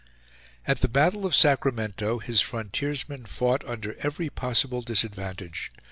At the battle of Sacramento his frontiersmen fought under every possible disadvantage.